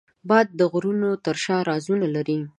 باد د غرونو تر شا رازونه لري